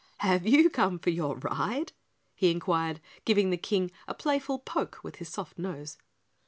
"Have you come for your ride?" he inquired, giving the King a playful poke with his soft nose.